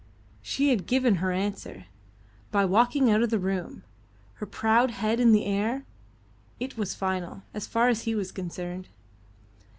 She had given her answer, by walking out of the room, her proud head in the air. It was final, as far as he was concerned.